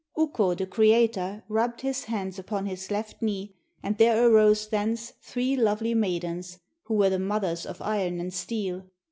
Ukko, the creator, rubbed his hands upon his left knee, and there arose thence three lovely maidens, who were the mothers of iron and steel.